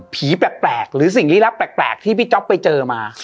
ผีแปลกหรือสิ่งฤนักแปลกที่พี่จ๊อบไปเจอมา